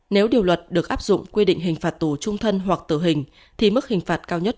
nếu điều luật được áp dụng quy định hình phạt tù trung thân hoặc tử hình thì mức hình phạt cao nhất